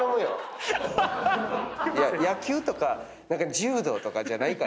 野球とか柔道とかじゃないからね。